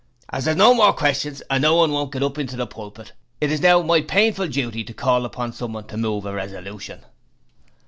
'As there's no more questions and no one won't get up into the pulpit, it is now my painful duty to call upon someone to move a resolution.'